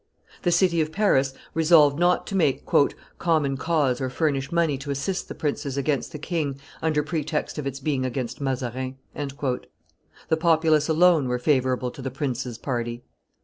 The city of Paris resolved not to make "common cause or furnish money to assist the princes against the king under pretext of its being against Mazarin." The populace alone were favorable to the princes' party.